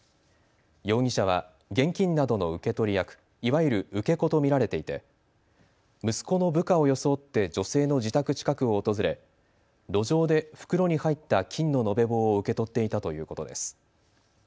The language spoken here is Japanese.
容疑者は現金などの受け取り役、いわゆる受け子と見られていて息子の部下を装って女性の自宅近くを訪れ、路上で袋に入った金の延べ棒を受け取っていたということです。